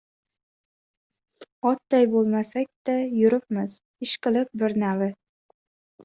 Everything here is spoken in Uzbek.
Otday bo‘lmasakda, yuribmiz. Ishqilib, birnavi.